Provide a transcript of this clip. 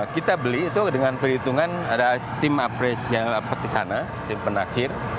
kita beli itu dengan perhitungan ada tim apres yang dapat kesana tim penaksir